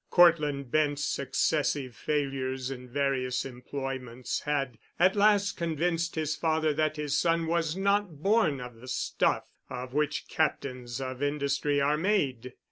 Cortland Bent's successive failures in various employments had at last convinced his father that his son was not born of the stuff of which Captains of Industry are made.